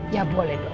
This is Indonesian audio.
ya boleh dong